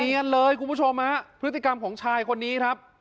เนียนเลยคุณผู้ชมฮะพฤติกรรมของชายคนนี้ครับ